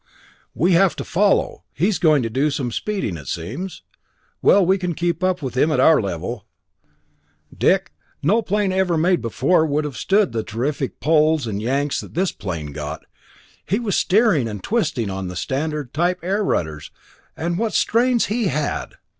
We'll have to follow! He's going to do some speeding, it seems! Well, we can keep up with him, at our level." "Dick, no plane ever made before would have stood the terrific pulls and yanks that his plane got. He was steering and twisting on the standard type air rudders, and what strains he had!